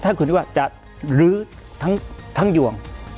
ถ้าคุณนึกว่าจะลื้อทั้งยวง